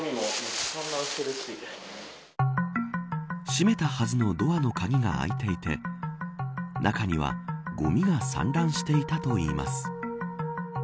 閉めたはずのドアの鍵が開いていて中にはごみが散乱していたといいます。